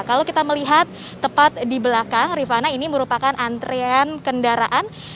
kalau kita melihat tepat di belakang rifana ini merupakan antrean kendaraan